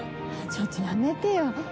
ちょっとやめてよ。